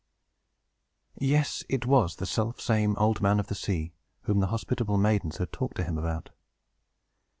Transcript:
Yes, it was the selfsame Old Man of the Sea whom the hospitable maidens had talked to him about.